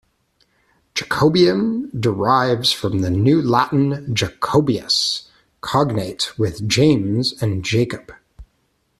"Jacobean" derives from the New Latin "Jacobaeus", cognate with James and Jacob.